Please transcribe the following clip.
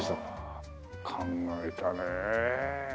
考えたねえ。